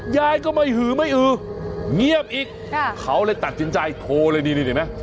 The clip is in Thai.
ยายก็ไม่หือไม่อือเงียบอีกเขาเลยตัดสินใจโทรเลยนี่เห็นไหม